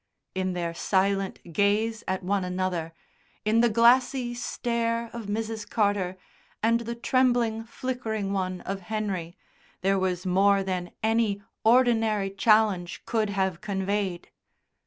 In their silent gaze at one another, in the glassy stare of Mrs. Carter and the trembling, flickering one of Henry there was more than any ordinary challenge could have conveyed.